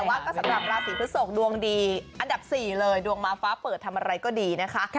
แต่ว่าก็สำหรับราศีพฤศกดวงดีอันดับ๔เลยดวงมาฟ้าเปิดทำอะไรก็ดีนะคะ